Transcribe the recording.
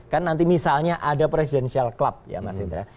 kan nanti misalnya ada presidential club ya mas indra